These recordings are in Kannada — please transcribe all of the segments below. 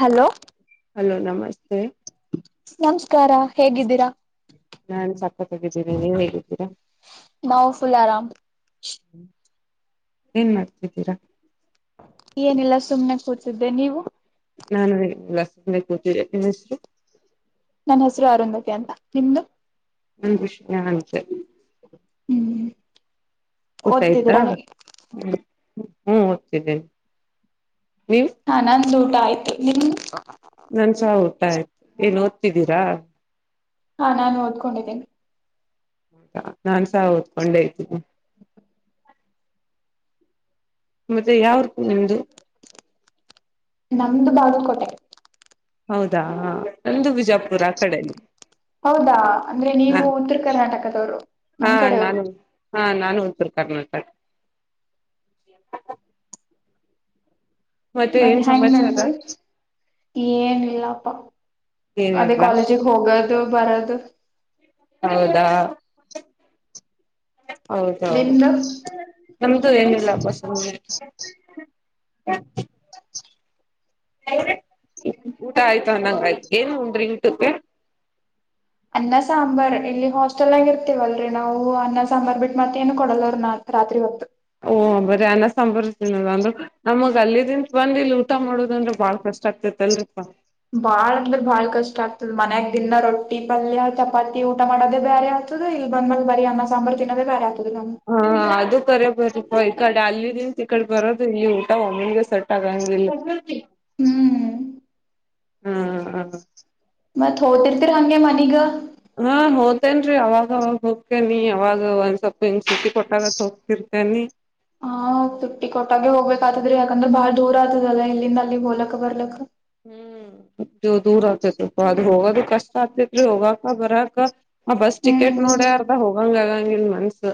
ಹಲೋ ಹಲೋ ನಮಸ್ತೆ ನಮಸ್ಕಾರ ಹೇಗಿದ್ದೀರಾ ನಾನ್ ಸಕ್ಕತ್ತಾಗಿದ್ದೀನಿ ನೀವ್ ಹೇಗಿದ್ದೀರಾ ನಾವುಫುಲ್ ಆರಾಮ್ ಏನ್ ಮಾಡ್ತಿದ್ದೀರಾ ಏನಿಲ್ಲ ಸುಮ್ನೆ ಕೂತಿದ್ದೆ ನೀವು ನ [inaudible] ನ ಲಸ ಕುತಿ ನನ್ ಹೆಸರು ಅರುಂಧತಿ ಅಂತ ನಿಮ್ದು ನಂದು ವಿಷಯಂತೆ ಹ್ಮ್ ಊಟ ಆಯ್ತಾ ಓದ್ತಿದೀರಾ ಹೇಗೆ ಹ ಹ್ಞ ಓದ್ತಿದ್ದೇನೆ ನೀವು ಹಾ ನಂದ್ ಊಟ ಆಯ್ತು ನಿಮ ನನ್ಸ ಊಟ ಆಯ್ತು ಏನ್ ಓದ್ತಿದ್ದೀರಾ ಹಾ ನಾನು ಓದ್ಕೊಂಡಿದ್ದೀನಿ ಹೌದಾ ನಾನ್ಸ ಓದ್ಕೊಂಡೆ ಇದತೀನಿ ಮತ್ತೆ ಯಾವೂ ನಿಮ್ದು ನಮ್ದು ಬಾಗಲಕೋಟೆ ಹೌದಾ ನಂದು ಬಿಜಾಪುರ ಆ ಕಡೆನ ಹೌದಾ ಅಂದ್ರೆ ನೀವು ಉತ್ತರ ಕರ್ನಾಟಕದವ್ರು ಹಾ ನಮ್ ಕಡೆಯವ್ರು ನಾನು ಹಾ ನಾನು ಉತ್ತರ ಕರ್ನಾಟಕ [unintelligible] ಮತ್ತೆ ಮತ್ತ ಏನ್ ಹ ಸಮಾಚಾರ ನಸ ಏನಿಲ್ಲಪ್ಪ ಅದೇ ಏನಿಲ್ವಾ ಕಾಲೇಜಿಗೆ ಹೋಗೋದು ಬರದು ಹೌದಾ ಹೌದೌದು ನಿಮ್ದು ನಮ್ದು ಏನಿಲ್ಲಸ ಊಟ ಆಯ್ತು ಅನ್ನಂಗಯ್ತು ಏನ್ ಉಂಡ್ರಿ ಊಟಕ್ಕೆ ಅನ್ನ ಸಾಂಬಾರ್ ಇಲ್ಲಿ ಹಾಸ್ಟೆಲ್ ಆಗಿ ಇರ್ತೀವಲ್ರರಿ ನಾವು ಅನ್ನ ಸಾಂಬಾರ್ ಬಿಟ್ಟ ಮತ್ ಏನು ಕೊಡಲ್ಲ ಅವ ನ ರಾತ್ರಿ ಹೊತ್ತು ಓ ಬರೀ ಅನ ಸಾಂಬಾರಿನದ ಅಂದ್ರರು ನಮಗ್ ಅಲ್ಲಿದಂತ ಬಂದ ಇಲ್ಲಿ ಊಟ ಮಾಡೋುದಂದ್ರೆ ಬಾಳ ಕಷ್ಟ ಆಗ್ತಿತಿ ತಲ್ರಿಪ್ಪ ಬಾಳ ಅಂದ್ರೆ ಬಾಳ್ ಕಷ್ಟ ಆಗ್ತದ ಮನ್ಯಾಗ ದಿಿನ ರೊಟ್ಟಿ ಪಲ್ಯ ಚಪಾತಿ ಊಟ ಮಾಡೋದೇ ಬೇರೆ ಆತದ ಇಲ್ ಬಂದ ಮೇಲ್ ಬರಿ ಅನ್ನ ಸಾಂಬಾರ ತಿನ್ನದೇರೆ ಆಗ್ತದಿಲ್ಲ ಹಾ ಅದು ಬರ ಬರಪ ಈ ಕಡೆ ಅಲ್ಲಿ ದಿವಸ ಈ ಕಡೆ ಬರೋದು ಇಲ್ಲಿ ಊಟ ಒಮ್ಮಿನ್ಗೆ ಸಟ್ ತರಂಗಿಲ್ಲ ಹ್ಮ್ ಹಾ ಮತ್ ಹೋರ್ತಿರ ಹಂಗೆ ಮನಿಗ ಹಾ ಹೋತೇನ್ರೀ ಅವಾಗ ಅವಾಗ ಹೋಗ್ತೇನಿ ಅವಾಗ ಒಂದ್ ಸ್ವಲ್ಪ ಹಂಗ ಸ ಸಿತಿ ಕೊಟ್ಟಾಗತ್ ಹೋಗ್ತರಿ ಆಮಿ [inaudible] ಹಾ ತುಟ್ಟಿ ಕೊಟ್ಟಾಗೆ ಹೋಗ್ಬೇಕ ಆತದ್ರಿ ಯಾಕಂದ್ರೆ ಬಾಳ ದೂರ ಆತದಲ್ಲ ಇಲ್ಲಿಂದ ಅಲ್ಲಿ ಹೋಲಕ್ ಬರ್ಲಕ್ ಹ್ಮ್ ದೂರ ಆಗ್ತೇತ್ಪ್ಪ ಅದು ಹೋಗೋದು ಕಷ್ಟ ಆಗ್ತತ್ರಿ ಹೋಗಾಕ ಬರಾಕ ಆ ಬಸ್ ಟಿಕೆಟ್ ನೋಡ್ಯ ಹ್ಮ್ ಅರ್ಧ ಹೋಗಂಗ ಆಗಂಗ ಇಲ್ ಮನ್ಸು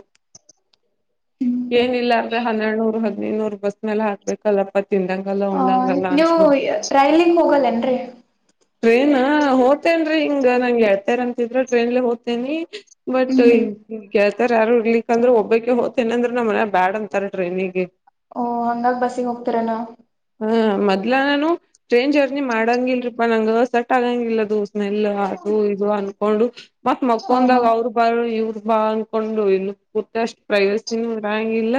ಏನಿಲ್ಲ ಅಂದ್ರೆ ಹನ್ನೆರಡುನೂರ್ ಹದಿನೈದುನೂರ್ ಬಸ್ ಮೇಲೆ ಹಾಕ್ಬೇಕಲ್ಲಪ್ಪ ತಿಂದಂಗ ಹಲ್ಲ ಉಡಂಗಲ್ಲ ಹಂಚ್ಬಿಡ್ತವಿ ಕೈಲಿಕ್ ಹೋಗಲ್ಲೇನ್ರರಿ ಟ್ರೇನ್ ಹೋಗ್ತೇನ್ರರಿ ಹಿಂಗ ನಂಗ್ಗೆಳ್ತೇರಂತಿದ್ರ ಟ್ರೇನ್ಲೆೇ ಹೋಗ್ತೇನಿ ಬಟ್ಟ ಹ್ಮ್ ಈ ಹ್ಮ್ ಗೆೇಳ್ತಾರ ಯಾರುರ್ಲಿಕ್ಂದ್ರೆ ಒಬ್ಬಕ ಹೋತೇನ ಅಂದ್ರ ನ್ ಮನ ಬ್ಯಾಡ್ ಅಂತಾರ ಟ್ರೈನಿಗೆ ಓಹ್ ಹಂಗಾಗಿ ಬಸ್ಸಿಗೆ ಹೋಗ್ತಿರ ನ ಹಾ ಮೊದ್ಲ ನಾನು ಟ್ರೈನ್ ಜರ್ನಿ ಮಾಡಂಗಲ್ರಿಪಾ ನಂಗ ಸೆಟ್ ಆಗಂಗಿಲ್ಲದು ಸ್ಮೆಲ್ ಅದು ಇದು ಅನ್ಕೊಂಡು ಮತ್ ಓಹೋ ಮಕ್ಕಂದಾಗ ಅವ್ರು ಬಾರ ಇವರು ಬಾ ಅಂದಕೊಂಡು ಇಲ್ಲ ಕೂತ್ ಅಷ್ಟ್ ಪ್ರೈವಸಿನು ಇರಗ್ಗಿಲ್ಲ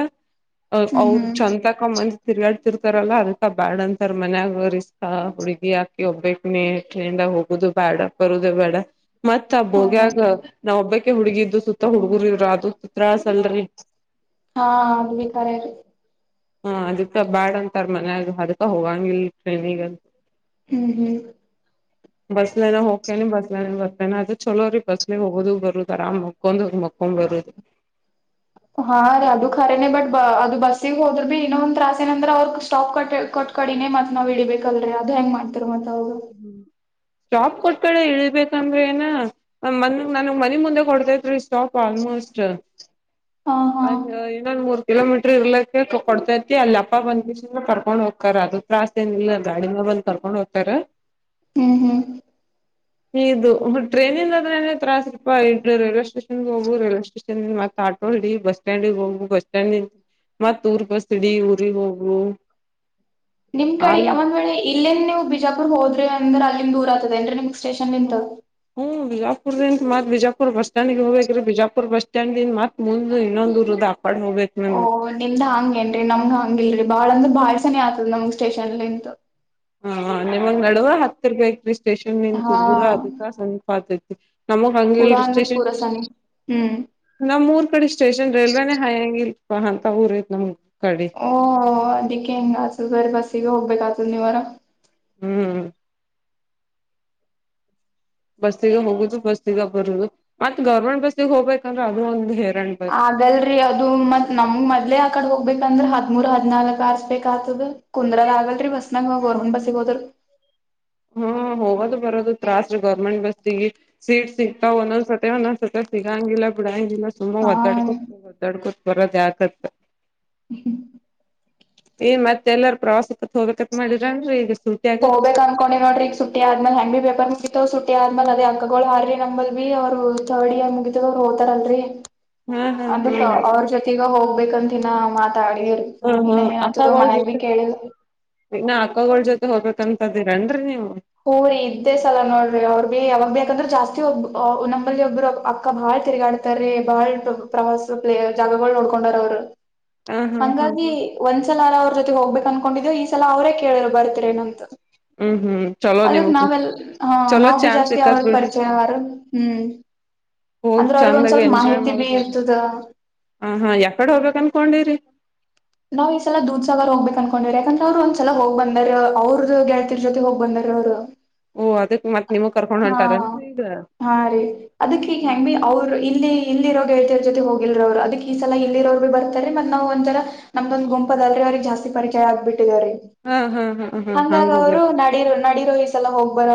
ಹ್ಮ್ ಅವ್ರು ಹ್ಮ್ ಚಂತಕಮಂದ ತಿರುಗಾಡ್ತಿರ್ತಾರಲ್ಲ ಅದಕ್ಕ ಬ್ಯಾಡ್ ಅಂತಾರ ಮನ್ಯಾಗ ರಿಸ್ಕ್ ಹಾ ಹುಡ್ಗಿ ಆಕಿ ಒಬ್ಬಕ್ಕಿನೆ ಇಲ್ಲಿಂದ ಹೋಗುದು ಬೇಡ ಬರೋದು ಬೇಡ. ಮತ್ ಆ ಓಹೋ ಬೋಗಿಯಾಗ ನಾವ್ ಒಬ್ಬಕ್ಕಿ ಹುಡ್ಗಿದ್ದು ಸುತ್ತ ಹುಡುಗ್ರು ಇದು ತಾಸಲ್ರಿ. ಹಾ ಅದು ಕರೆರಿ. ಹಾ ಅದಕ್ಕ ಬಾಡ ಅಂತಾರ ಮನ್ಯಾಗ ಅದಕ್ಕ ಹೋಗಗಿಲ್ರಿ ಟ್ರೈನ್ ಹ್ಮ್ ಹ್ಮ್ ಬಸ್ನೆಗೆ ಹೋಗತೆನೆ ಬಸ್ ಬರ್ತಾನನೆ ಅದ ಚಲೋ ರೀ ಬಸ್ ಹೋಗೋದು ಬರುದು ಆರಾಮ್ ಮಲ್ಕೊಂಡು ಹೋಗಿ ಮಲ್ಕೊ ಹಂಗ್ ಬತೈತೆ. [inaudible] ಹಾ ರೀ ಅದು ಖರೇನೆ ಬಟ್ ಅದು ಬಸ್ಸಿಗೆ ಹೋದ್ರನೆ ಇನ್ನೊಂದ ತ್ರಾಸ ಏನಂದ್ರ ಅವ್ರ ಸ್ಟಾಪ್ ಕಟ್ಟ ಕೊಟ್ಟು. ಕಡಿನೆ ಮತ್ ನಾವ್ ಇಲಿಬೇಕಲ್ರರಿ ಅದ್ ಹೆಂಗ ಮಾಡ್ತರ್ ಮತ್ತ ಅವಾಗ ಸ್ಟಾಪ್ ಕೊಟ್ಟಕಡೆ ಇಳ್ಬೇಕಂದ್ರೆ ಏನ ನನ್ಗ್ ಮನೆ ಮುಂದೆ ಕೊಡ್ತೇತ್ರಿ ಸ್ಟಾಪ್ ಆಲ್ಮೋಸ್ಟ್. ಹಾ ಹಾ ಅ ಇನ್ನೊಂದ ಮೂರ್. ಕಿಲೋಮೀಟರ್ ಇರ್ಲಿಕ್ಕೆ ಕೊಡ್ತೈತಿ ಅಲ್ಲಿ ಅಪ್ಪ ಬಂದು ಕರ್ಕೊಂಡ್ ಹೋಗ್ತ ಅದು ತ್ರಾಸ್. ಇಲ್ಲಾ ಗಾಡಿಲೇ ಬಂದು ಕರ್ಕೊಂಡು ಹೋಗ್ತಾರಾ. ಹ್ಮ್ ಹ್ಮ್ ಇದು ಟ್ರೈನಿಂದ ಆದ್ರ ತ್ರಾಸಪ್ಪ ಇದು ರಲ್ವೆ ಸ್ಟೇಷನ್ಗೆ ಹೋಗು ರಲ್ವೆ ಸ್ಟೇಷನ್ ಮತ್ತೆ ಆಟೋ ಇಡಿ ಬಸ್ ಸ್ಟ್ಯಾಂಡ್ಗೆ ಹೋಗು ಬಸ್ ಸ್ಟ್ಯಾಂಡ್ ಮತ್ ಊರ್ ಬಸ್ ಇಡಿ ಊರಿಗೆ ಹೋಗು ನಿಮ್ ಕಡೆ ಅಲ್ಲ ಒಂದ್ ವೇಳೆ ಇಲ್ಲೇಂದ ನೀವು ಬಿಜಾಪುರ್ ಹೋದ್ರಿ ಅಂದ್ರೆ ಅಲ್ಲಿಂದ ದೂರ ಆತದ ಏನ್ರಿನಿಮ್ ಸ್ಟೇಷನ್ ನಿಂತು. ಹ್ಮ್ ಬಿಜಾಪುರ್ದಿಂದ ಮತ್ ಬಿಜಾಪುರ್ ಬಸ್ಸ್ಟಾಂಡ್ ಹೋಗಬೇಕ್ರೀ ಬಿಜಾಪುರ್ ಬಸ್ ಸ್ಟಾಂಡ್ಯಿಂದ ಮತ್ ಮುಂದ ಇನ್ನೊಂದು ಊರು ಅದ. [unintelligible] ನಿಂದ್ ಹಂಗೇನ್ರಿ ನಮ್ಗ್ ಹಂಗ ಇಲ್ರರಿ ಬಾಳ ಅಂದ್ರ ಬಾಳ ಸನಿಹೇ ಆತದ ನಮ್ಗ್ ಸ್ಟೇಷನ್ಲಿಂತು ಹ ನಿಮಗ್ ನಡುವ ಹತ್ತಿರ್ಗತ್ರಿ ಸ್ಟೇಷನ್ ನಿಂತ್ ಹಾ ಊರ ಅದಿಕ ಸಮೀಪ ಆಯ್ತದಿ. ನಮಗ್ ಹಂಗಿಲ್ ಪೂರಾ ಅಂದ್ರ ಸ್ಟೇಷನ್ ಪೂರಾ ಸನಿ ಹ್ಮ್ ನಮೂರ್ ಕಡೆ ಸ್ಟೇಷನ್ ರೈಲ್ವೆೇನೆೇ ಹೈ ಹಂಗಿಲ್. ಅಂತ ಊರ ಐತ್ ನಮ್ ಕಡಿ. ಓಹ ಅದಿಕ್ಕೆ ಹೆಂಗ ಆತದ ಬೇರೆ ಬಸ್ಸಿಗೆ ಹೋಗ್ಬೇಕ ಆತದನಿವಾರ. ಹ್ಮ್ ಬಸ್ಸಿಗೆ ಹೋಗುದು ಬಸ್ಸಗ ಬರುದು ಮತ್ತ ಗೌರ್ಮೆಂಟ್ ಬಸ್ಸಿಗೆ ಹೋಗ್ಬೇಕಂದ್ರೆ ಅದು ಒಂದು ಹೇರಣ. ಆಗಲ್ರಿ. ಅದು ಮತ್ ನಮ್ ಮೊದಲೇ ಆ ಕಡೆ ಹೋಗ್ಬೇಕಂದ್ರ ಹಾದಿಮೂರು ಹಾದಿನಾಲ್ಕು ತಾಸ್ ಬೇಕದ್ದೆ. ಕುಂದ್ರದ ಆಗಲ್ರಿ ಬಸ್ನಾಗ ಗವರ್ನಮೆಂಟ್ ಬಸ್ಸಿಗೆ ಹೋದ್ರು. ಹ್ಮ ಹೋಗೋದು ಬರೋದು ತ್ರಾಸ್ ಗೌರ್ಮೆಂಟ್ ಬಸ್ಸಿಗಿ. ಸೀಟ್ ಸಿಗ್ತಾವ ಒಂದೊಂದು ಸತಿ ಒಂದೊಂದು ಸತಿ ಸಿಗಂಗಿಲ್ಲ ಬಿಡಂಗಿಲ್ಲ ಸುಮಾ ಹಾ ಒದ್ದಾಡ್ಕೋ ಒದ್ದಾಡ್ಕೋತ್ ಬರೋದ ಆತತ್. [inaudible] ಈ ಮತ್ತೆಲ್ಲರ ಪ್ರವಾಸಕ್ಕೆ ಹೋಗ್ಬೇಕಕ್ ಮಾಡಿಡ್ರಾದೇನ್ರಿ ಈಗ ಸೂಟ್ಯಾಗ ಹೋಗ್ಬೇಕ ಅನ್ಕೊಂಡ ನೋಡ್ರಿ ಈ ಸುಟ್ಟಿ ಆದ್ಮೇಲೆ ಹೆಂಗೆ ಪೇಪರ್ ಮುಗಿತವ್ ಸುಟ್ಟಿ ಆದ್ಮಲ್ ಅದೇ ಹಗ್ಗಗಳು ಹಾರ್ರಿ [unintelligible] ಬಿ ಅವ್ರು ಥರ್ಡ್ ಇಯರ್ ಮುಗಿದ ಅವರು ಹೋತಾರಲ್ರರಿ ಹಾ ಹಾ ಅದಕ್ ಹ್ಮ್ ಅವ್ರ ಹಾ ಜೊತೆ ಈಗ ಹೋಗ್ಬೇಕಂತಿನ ಮಾತಾಡರಿ ಹಾ ಇನ್ನ ಏನ ಆತದ ಅಕ್ಕಗೋಳ್ ಮನಾಗ ಬಿ ಜೊತೆ ಕೇಳಿಲ್ಲ. ಇನ್ನ ಅಕ್ಕಗಳ ಜೊತೆ ಹೋಗ್ಬೇಕಂತದಿರೇನ್ರರಿ ನೀವು. ಹೂ ರೀ ಇದ್ದೇ ಸಲ ನೋಡ್ರಿ ಅವ್ರರು ಭಿ ಅವಾವಾಗ ಬಾೇಕಂದ್ರೆ ಜಾಸ್ತಿ ಒಬ್ಬ ನಮ್ಮಂಬಲ್ಲಿ ಒಬ್ಬರು ಅಕ್ಕ ಬಾಳ್ ತಿರುಗಾಡ ಕರೆ ಬಾಳ್ ಪ್ರವಾಸ ಪ ಜಾಗಗಳು ನೋಡ್ಕೊಂಡಾರ ಅವರು ಹಾ ಹಾ ಹಾ ಹಂಗಾಗಿ ಹಾ ಒಂದ್ಸಲ ಅರ ಅವ್ರ ಜೊತೆ ಹೋಗ್ಬೇಕ ಅನ್ಕೊಂಡಿದೀವ ಈ ಸಲ ಅವರೇ ಕೇಳರ್ ಬರ್ತರೇನ ಅಂತ ಹ್ಮ್ ಹ್ಮ್ ಚಲೋ ಅದಕ್ ನಿಮಗ್ ನಾವೆಲ್ ಹ ಚಲೋ ನಾವ್ ಬಿ ಚಾನ್ಸ್ ಜಾಸ್ತಿ ಅವ್ರ ಸಿಕ್ಕತ್ ಬಿಡ್ರಿ ಪರಿಚಯ ಅವಾರ ಹ್ಮ್ ಹೋಗ್ ಅಂದ್ರೆ ಅವ್ರಗ ಒಂದ್ ಚಂದಾಗ ಸ್ವಲ್ಪ ಎಂಜಾಯ್ ಮಾಹಿತಿ ಬಿ ಮಾಡ್ಬೇಡ್ರಿ ಇರ್ತದ ಹ ಹಾ ಹೆಕಡೆ ಹೋಗಬೇಕ ಅನ್ಕೊಂಡಿರಿ ನಾವ್ ಈ ಸಲ ದೂಡ್ಡ ಸಾಗರ್ ಹೋಗ್ಬೇಕಕ್ ಅನ್ಕೊಂಡ್ವ್ರ ಯಾಕಂದ್ರೆ ಅವರು ಒಂದಸಲ ಹೋಗ್ ಬಂದಾರಿ ಅವ್ರದ ಗೆಳತಿ ಜೊತೆ ಹೋಗ್ ಬಂದಾರಿ ಅವರು ಓ ಅದಕ್ ಮತ್ ನಿಮಗ್ ಕರ್ಕೊಂಡ್ ಹೊಂಟಾರನ್ರಿ ಈಗ ಆ ರಿ ಅದಕ್ ಈ ಹೆಂಗ ಬಿ ಅವ್ರು ಇಲ್ಲಿ ಇಲ್ಲಿ ಇರೋ ಗೆಳತರ ಜೊತೆ ಹೋಗಿಲ್ರ ಅವರು ಅದಕ್ ಈ ಸಲ ಇಲ್ಲಿರೋರು ಬಿ ಬರ ಮತ್ತ ನಾವು ಒಂಥರ ನಮ್ಮದೊಂದ ಗುಂಪ ಅದಲ್ರಿ ಅವ್ರಿಗೆ ಜಾಸ್ತಿ ಪರಿಚಯ ಆಗ್ಬಿಟ್ಟಿದ್ರೆ ಹಾ ಹಾ ಹಾ ಹಾ ಹಂಗ ಹಂಗಾಗಿ ಅವರು ಹೋಗ್ಬೇಕು ನಡಿರೂ ನಡಿರೋ ಈ ಸಲ ಹೋಗ್ ಬರ್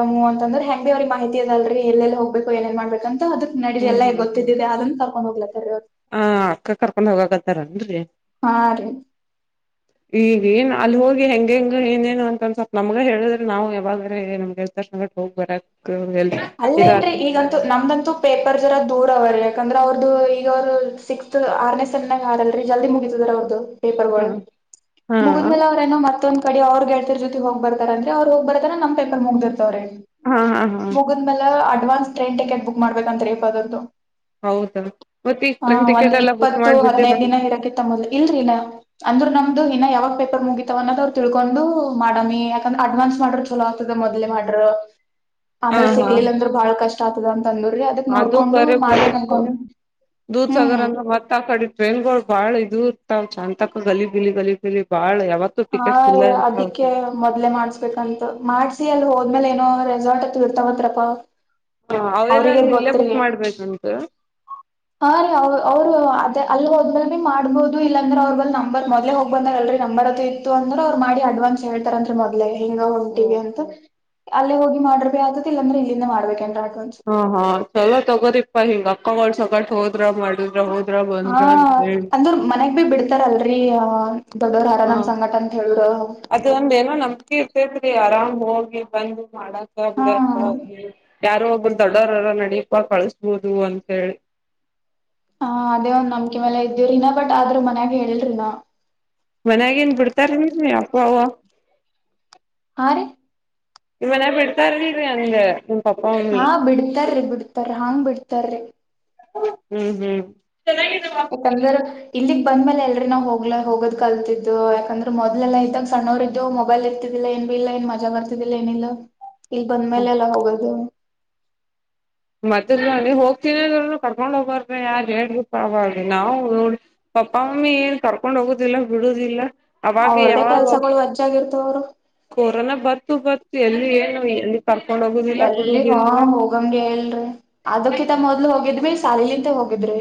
ಅಂದ್ರೆ ಹೆಂಗಗೆ ಬಿ ಅವ್ರಿಗೆ ಮಾಹಿತಿ ಅಲ್ಲಲ್ರಿ ಎಲ್ಲೆಲ್ಲಿ ಹೋಗ್ಬೇಕು ಏನ್ ಮಾಡ್ಬೇಕ ಅಂತ ಅದ ನಡಡಿ ಹ್ಮ್ ಎಲ್ಲಾಗ ಗೊತ್ತಿದ್ದಿದೆ ಆದಂತ ಅವ್ರು ಹ ಅಕ್ಕ ಕರ್ಕೊಂಡ್ ಹೋಗಾಕತ್ತಾರನ್ರರಿ ಹಾ ರೀ ಈಗ ಏನ್ ಅಲ್ಲಿ ಹೋಗಿ ಹೆಂಗಗೆ ಹೆಂಗ ಏನೇನು ಅಂತನ್ ಸ್ವಲ್ಪ ನಮ್ಗ ಹೇಳಿದ್ರೆ ನಾವು ಯಾವಾಗ್ರೆ ನಮ್ಗೆ ಹೋಗ್ ಬರ ಅಲ್ಲೇನ್ ಈಗಂತೂ ನಮ್ದಂತೂ ಪೇಪರ್ಸ್ ಜರ ದೂರ ಅವರ್ ಯಾಕಂದ್ರ ಅವ್ರ್ದ ಈಗ ಅವರು ಸಿಕ್ಸ್ತ್ ಆರನೇ ಸೆನ್ಗ ಆಲ್ಲ ಜಲ್ದಿ ಮುಗದ ಅವ ಪೇಪರ್ ಹಾ ಹಾ ಮುಗಿದ ಮೇಲೆ ಅವ್ರ ನೋ ಮತ್ತೊ ಕಡೆ ಅವ್ರರುಗೆಡತಿರ್ ಜೊತೆ ಹೋಗ ಬರ್ತಾರ ಅ್ರ ಅವ್ ಹೋಗ್ ಬರ್ತಾರ ನಮ ಪೇಪರ್ ಮುಗಿರ್ತವ್ರೆ ಹಾ ಹಾ ಹಾ ಹಗದ ಮೇಲೆ ಅಡ್ವಾನ್ಸ್ ಟ್ರೈನ್ ಟಿಕೆಟ್ ಬುಕ್ ಮಾಡಬೇಕ ಅಂತ ರರಿ ಇ ಅದೊಂದು ಹೌದಾ ಮತ್ತೆ ಈಗ ಹಾ ಟ್ರೈನ್ ಒಂದ್ ಟಿಕೆಟ್ ಎಲ್ಲಾ ಬುಕ್ ಇಪ್ಪತ್ತು ಹದನೈದ ಮಾಡ್ಬಿಟ್ಟಿರೇನ್ರಿ ದಿನ ಇರಕೆ ತಮ್ಮದ್ ಇಲ್ರಿನಾ ಅಂದ್ರ ನಮ್ದು ಇನ್ನ ಯಾವಾಗ್ ಪೇಪರ್ ಮುಗಿತವ ಅನ್ನದ ಅವ್ರು ತಿಳ್ಕೊಂಡು ಮಾಡಾಮಿ ಯಾಕಂದ್ರೆ ಅಡ್ವಾನ್ಸ್ ಮಾಡ್ರ ಚಲೋ ಆತದ ಮೊದ್ ಮಾಡ್ರ ಹಾ ಆಮೇಲೆ ಹಾ ಸಿಗ್ಲಿಲ್ಲ ಅಂದ್ರರು ಬಹಳ ಕಷ್ಟ ಆಗ್ತದ ಅಂತ ಅಂದ್ರಿ ಅದ ಅದು ಕರೆ ಬರಿ ದೂ ಸಗರ ಹ್ಮ್ ಅಂದ್ರ ಮತ್ತ ಕಡ ಟ್ರೇನ್ಗಳು ಬಾಳ ಇದು ಇರ್ತಾವ ಚಾಂತ ಗಲಿ ಬಿಲಿ ಗಲಿ ಬಿಲಿ ಬಾಳ ಯಾವತ್ ಹಾ ಅದಕ್ಕೆ ಮೊದ್ಲೆ ಮಾಡ್ಸ್ಬೇಕಂತ ಮಾಡ್ಸಿ ಅಲ್ಲಿ ಹೋದ್ಮೇಲೆ ಏನೋ ರೆಸಾರ್ಟ್ ಹತ್ ಇರ್ತಾವತ್ರಪಾ ಹ ಅವೆಲ್ಲಾನು ಇಲ್ಲೇ ಬುಕ್ ಮಾಡ್ಬೇಕಂತ ಹಾ ರೀ ಅವ್ ಅವರು ಅದೇ ಅಲ್ ಹೋದ್ಬಲ್ ಭ ಬಿ ಮಾಡ್ಬಹದು ಇಲ್ಲಾಂದ್ರೆ ಅವ್ರ ಬಲ್ ನಂಬರ್ ಮೊದ್ ಹೋಗ್ ಬಂದಾರ ಅಲ್ರಿ ನಂಬರ್ತ್ ಇ ಅಂದ್ರ ಅವ್ ಮಾಡಿ ಅಡ್ವಾನ್ಸ್ ಹೇತಾರ ಅಂತ ಮೊದ್ಲೆ ಹಿಂಗ ಹೊಂಟಿವಿ ಅಂತ ಅಲ್ಲೇ ಹೋಗಿ ಮಾಡ್ರಬೇ ಆಗತಿ ಇಲ್ಲಾಂದ್ರೆ ಇಲ್ಲಿಂದ ಮಾಡಬೇಕ ಏನಾರ್ ಅಡ್ವಾನ್ಸ್ ಹಾ ಹಾ ಚಲೋ ತಗೋರಿಪ್ಪ ಹಿಂಗ ಅಕ್ಕ ಗೊಳ್ ಸಂಘಟ ಹೋದ್ರ ಮಾಡಿದ್ರ ಹೋದ ಹಾ ಅಂದ್ರ ಮನಗ್ ಭೀ ಬಿಡ ಇರ್ತಾರ ಅಲ್ರರಿ ದೊಡೋರ್ ಹರ ಹ ನಮ್ ಸಂಗಟ ಅಂತ ಹೇಳಿದರು ಅದ ಒಂದ ಏನೋ ನಮಕೆ ಇರ್ತೇತ್ರಿ ಆರಾಮ್ ಹೋಗಿ ಬಂದು ಮಾಡಕ್ ಹಾ ಯಾರೋ ಒಬ್ಬರು ದೊಡ್ಡೋರು ಅರಾ ನಡೀಪಾ ಕಳಸ್ಬೋದು ಅಂತ ಹೇಳಿ ಹಾ ಅದೇ ಒಂದ್ ನಂಬಕೆ ಮೇಲೆ ಇದ್ದಿವಿ ರೀ ಬಟ್ ಆದ್ರೂ ಮನ್ಯಾಗ ಹೇಳಿಲ್ಲರಿ ಇನಾ ಮನ್ಯಾಗ ಎನ್ ಬಿಡ್ತಾರ ಇಲ್ಲ ರೀ ಅಪ್ಪ ಅವ್ವ ಹಾ ರೀ ನಿಮ್ಮ್ ಮನ್ಯಾಗ್ ಬಿಡ್ತಾರಾ ಇಲ್ಲರೀ ಹಂಗ್ ಹಾ, ಬಿಡ್ತಾರಿ ಬಿಡ್ತಾರ ಹಾಂಗ್ ಬಿಡ್ತಾರಿ ಹ್ಮ್, ಹ್ಮ ಚೆನ್ನಾಗಿ ಇರ್ರಿ ವ [unintelligible] ಯಾಕಂದ್ರೆ ಇಲ್ಲಿಗ್ ಬಂದ್ಮೇಲೆ ಎಲ್ರಿ ನಾವ್ ಹೋಗ್ ಹೋಗೋದ್ ಕಲ್ತಿದ್ದ್. ಯಾಕಂದ್ರೆ ಮೊದಲೆಲ್ಲಾ ಇದಾಗ- ಸಣ್ಣವರ ಇದ್ದು ಮೊಬೈಲ್ ಇರ್ತಿದ್ದಿಲ್ಲ ಏನ್ ಬಿ ಇಲ್ಲ ಏನ್ ಮಜಾಗ ಬರ್ತಿದ್ದಿಲ್ಲ ಏನಿಲ್ಲ. ಇಲ್ ಬಂದ್ಮೇಲೆ ಎಲ್ಲಾ ಹೋಗೋದು. ಮದಲಹೋಗ್ತೀನಿ ಅಂದ್ರುಕರ್ಕೊಂಡ್ ಹೋಗರು ಯಾರ ಏಳ್ರಿ ಪಾ ಅವಾಗ ನಾವು ನೋಡಿ ಪಪ್ಪ- ಮಮ್ಮಿ ಏನ್ ಕರ್ಕೊಂಡ್ ಹೋಗುದಿಲ್ಲ ಬಿಡುದಿಲ್ಲ. ಅವಾಗ ಅವ್ರ್ದೇ ಯಾವಾಗ ಕೆಲ್ಸಗಳು ವಜ್ಜಿಯಾಗಿ ಇರ್ತ ಅವ್ರು ಕೊರೋನಾ ಬತ್ತು -ಬತ್ತು ಎಲ್ಲಿ ಏನು ಎಲ್ಲಿ ಕರ್ಕೊಂಡ್ ಹೋಗುದಿಲ್ಲ ಬಿಡುದಿಲ್ಲ. ಹೋಗಂಬಿ ಹೇಲ್ರಿ ಅದಕ್ಕಿಂತ ಮೊದ್ಲು ಹೋಗಿದ್ವಿ ಶಾಲಿಲಿಂತ ಹೋಗಿದ್ರಿ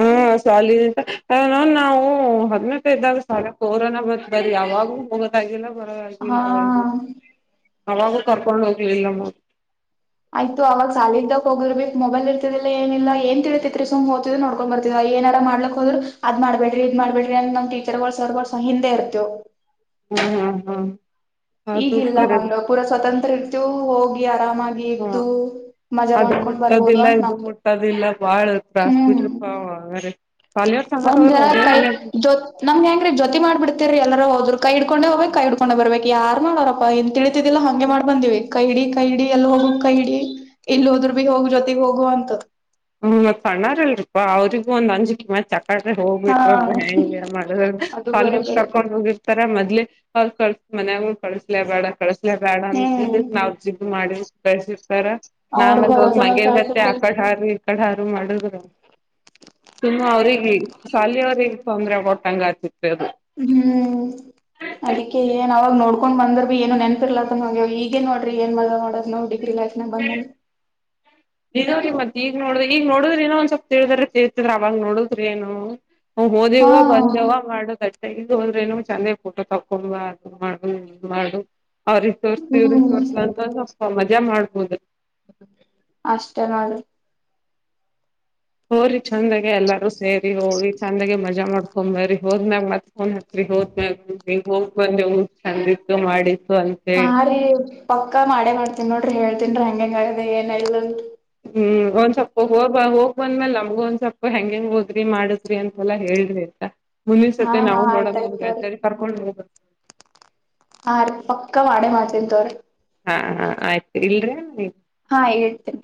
ಹಾ, ಸಾಲಿಲಿಂತ ಅನಾ ನಾವು ಹತ್ತ ನತ್ತೆ ಇದ್ದಾಗ ಸಾಲ್ಯಾಗ ಕೊರೋನ ಬಂತು ಬರಿ ಯಾವಾಗೂ ಆಗಿಲ್ಲ ಬರದ್ ಹಾ ಆಗಿಲ್ಲ ಅವರಿಗೆ ಅವಾಗೂ ಕರ್ಕೊಂಡ್ ಹೋಗ್ಲಿಲ್ಲ ನಮಗ. ಆಯ್ತ ಆವಾಗ ಸಾಲ ಇದ್ದಾಗ ಹೋದ್ರು ಬಿ ಮೊಬೈಲ್ ಇರ್ತದಿಲ್ಲ ಏನಿಲ್ಲ. ಏನ್ ತಿಳಿತೈತಿ ಸುಮ್ ಓತಿದ್ವಿ ನೋಡಾಕ್ ಕಕೊಂಡ್ ಬರ್ತೀ ಏನಾರ ಮಾಡ್ಲಿಕ್ ಹೋದರು ಅದ್ ಮಾಡಬೇಡಿ ಇದ್ ಮಾಡ್ಬೇಡ್ರಿ ಅಂತ ಟೀಚರ್ ಗಳ ಸರ್ ಗಳ ಹಿಂದೆ ಇರ್ತವ. ಹ್ಮ್, ಹ್ಮ್ ಅದು ಈಗಿಲ್ಲ ಕರೆ ಹಂಗ ಪೂರಾ ಸ್ವತಂತ್ರ ರೀತು ಹೋಗಿ ಆರಾಮಾಗಿ ಹಾ, ಇದ್ದು ಮಜಾ ಅದು ಮಾಡ್ಕೊಂಡ್ ಬರ್ಬೋದು ಮುಟ್ಟದಿಲ್ಲ ಅಂತ ಇದು ನಮ್ದು ಮುಟ್ಟದಿಲ್ಲ ಬಾಳ ತ್ರಾಸ್ ಬಿಡ್ರಿ ಹಾ, ಹಂಗಾರೆ ಒಂದರ ಕೈ ಜೋ [unintelligible] ನಮ್ಗೆ ಹೆಂಗೀ ಜೊತ ಮಾಡ ಬಿಡ್ತಿರಿ ಎಲ್ಲಾರ ಹೋದ್ರ ಕೈ ಇಡಕೊಂಡ ಹೋಗಬೇಕ, ಕೈ ಇಡಕೊಂಡ ಬರ್ಬೇಕ್ ಯಾರ ಮಾಡೋರಪ್ಪಾ ಹಿಂತಿಳಿ. ಲ್ಲ ಹಂಗೆ ಮಾಡ್ ಬಂದಿವಿ ಕೈಡಿ -ಕೈಡಿ ಎಲ್ಲಿ ಹೋಗುಕ್ ಕೈಡಿ ಇಲ್ಲಿ ಹೋದರು ಬಿ ಹೋಗ ಜೊತೆ ಹೋಗುವಂತ. ಹ್ಮ್, ಸಣ್ಣಾರಿಲ್ರಿಪಾ ಅವ್ರಗ ಒಂದು ಅಂಜು ಕಿ ಮತ್ತ ಅದೇ ಹಾ ಹೋಗ್ಬಿಟ್ರು ಅಂದ್ರೆ ಹೆಂಗೆ ಮಾಡಿದಾಗ ಅದು ಅಲ್ಲಿಂದ್ ಬರೋಬರಿ ಕರ್ಕೊಂಡ್ ಹೋಗಿ ತರ ಮದ್ೇ ಅವ ಕ ಮಯಾಗ ಕಳಸ್ಲೇ ಬೇಡ ಕಳಸ್ಲೇ ಬೇಡ ನ ಹ್ಮ್ [unintelligible] ಜಿದ್ಮಾಡಿ ಬೆಳಸಿರ್ತಾರ. ಅವ್ರ ನಾವಲ್ಲಿ ಹೋಗ್ ಭರೋಸಾ ಮ್ಯಾಲ್ ಮಂಗೇನ್ ಗತ್ತೆ ಆ ಕಳ್ಸಿರ್ತಾರ್ ಕಡೆ ಹಾರಿ- ಮಾಡಿದರ- ಸುಮ್ಮ ಅವ್ರಗ್ ಸಾಲಿಯವ್ರಗ್ ತೊಂದ್ರೆ ಕೊಟ್ಟಂಗ ಆಗದು. ಹ್ಮ್, ಅದಿಕ ಏನ್ ಅವವಾಗ ನೋಡ್ಕೊಂಡ್ ಬಂದ್ರ ಬಿ. ಏನು ನೆನಪಿರ್ಲತ್ತ ನ ಈಗನ್ ನೋಡಿ ಏನ್ ಮಜ ಮಾಡದ ನಾವು ಡಿಗ್ರಿ ನ್ಯಾಗ. [inaudible] ನೀನೋರೀ ಮತ್ ಈಗ ನೋಡುದ್ರ ಈಗ ನೋಡಿದರಏನೋ ಒಂದ್ ಸ್ವಲ್ಪ ತಿಳ್ತಿದಿರತ. ಅವವಾಗ ನೋಡುದ್ರ ಏನು ನಾ ಹಾ ಹೋದೆವ ಬಂದೆವ ಮಾಡೋದೈತಿ. ಈಗ ಹೋದ್ರೆ ನ ಚೆಂದಾಗ ಊಟ ತಕೊಂಡ ಅದು ಮಾಡು, ಇದು ಮಾಡು- ಅವ್ರಿಗೆ ತೋರ್ಸ ಇವ್ರ ಹ್ಮ್ ತೋರ್ಸ ಅಂತ ಒಂದ ಮಜಾ ಮಾಡ್ಬೋದು. ಅಷ್ಟೇ ನೋಡ್ರಿ, ಹೋರಿ ಚಂದಾಗಿಎಲ್ಲಾರೂ ಸೇರಿ ಹೋಗಿ ಚಂದಾಗ ಮಜಾ ಮಾಡ್ಕೊ ಬರಿ. ಹೋದ್ನಾಮಗ್ ಮತ್ ಫೋನ್ ಹಚ್ಚರಿ ಹೋದ್ ಮ್ಯಾಗ ಹಂಗ ಹೋಗ್ ಬಂದೇವು. ಚಂದಿತ್ತು ಮಾಡಿತ್ತು ಅಂತೆ. ಏ [inaudible] ಪಕ್ಕ ಮಾಡೇ ಮಾಡ್ತೀನ್ ನೋಡ್ರಿ ಹೇಳ್ತೀನ್ರಿ ಹಂಗಂಗೆ ಆಗದೆ ಏನ್ ಎಲ್ಲ ಅಂತ. ಹ್ಮ್, ಒಂದ್ ಸ್ವಪ್ಪ ಹೋಗ್ ಬಂದ, ಹೋಗ್ ಬಂದ್ಮೇಲ್ ನಮ್ಗು ಒಂದ್ ಸ್ವಲ್ಪ ಹೆಂಗೆಂಗ್ ಹೋದ್ರಿ ಮಾಡುದ್ರಿ ಅಂತೆಲ್ಲ ಹೇಳ್ರಿ. ಅನಿಂಟೆಲಿಜಬಲ್ [inaudible] ಮುಂದಿಸ್ಸತಿ ನಾವು ನೋಡಂಗ ನಮ್ಗೆಲ್ಲರಿಗೂ ಕರ್ಕೊಂಡ್ ಹೋಗ- ಹಾ ರಿ ಪಕ್ಕಾ ಮಾಡೆೆ ಮಾಡ್ ತಿನಿತಗೋರಿ. ಹಾ ಹಾ ಆಯ್ತು ಇಲ್ರೆನ್ರಿ ಹಾ ಇಡ ರಿ